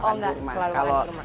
oh enggak selalu makan kurma